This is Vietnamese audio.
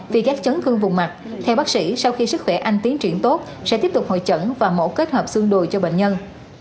vì gác chấn thương vùng mặt theo bác sĩ sau khi sức khỏe anh tiến triển tốt sẽ tiếp tục hội chẩn và mẫu kết hợp xương đồi cho bệnh nhân